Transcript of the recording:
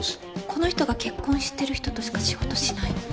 この人が結婚してる人としか仕事しないの？